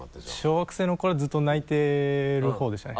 小学生の頃ずっと泣いてるほうでしたね。